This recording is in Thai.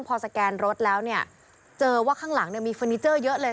พอสแกนรถแล้วเนี่ยเจอว่าข้างหลังเนี่ยมีเฟอร์นิเจอร์เยอะเลย